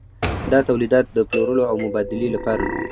دا تولیدات د پلورلو او مبادلې لپاره نه وو.